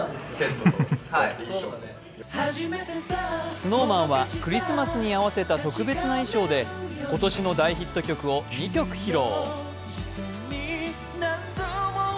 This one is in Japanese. ＳｎｏｗＭａｎはクリスマスに合わせた特別な衣装で今年の大ヒット曲を２曲披露。